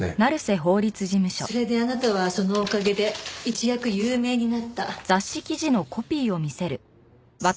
それであなたはそのおかげで一躍有名になった。